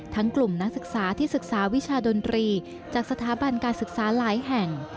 กลุ่มนักศึกษาที่ศึกษาวิชาดนตรีจากสถาบันการศึกษาหลายแห่ง